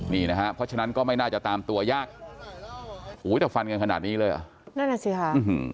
นี่นะฮะเพราะฉะนั้นก็ไม่น่าจะตามตัวยากอุ้ยแต่ฟันกันขนาดนี้เลยเหรอนั่นอ่ะสิค่ะ